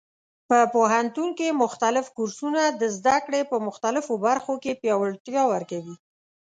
په پوهنتون کې مختلف کورسونه د زده کړې په مختلفو برخو کې پیاوړتیا ورکوي.